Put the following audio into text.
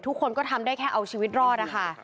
ทุกคนก็ทำได้แค่เอาชีวิตรอดนะคะ